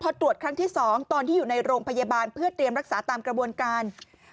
พอตรวจครั้งที่๒ตอนที่อยู่ในโรงพยาบาลเพื่อเตรียมรักษาตามกระบวนการ